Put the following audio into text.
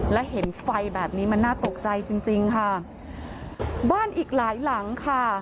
และเห็นไฟแบบนี้มันน่าตกใจจริงจริงค่ะบ้านอีกหลายหลังค่ะ